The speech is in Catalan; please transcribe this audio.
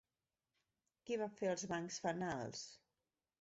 Qui va fer els bancs-fanals?